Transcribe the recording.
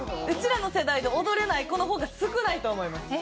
らの世代で踊れない子の方が少ないと思います。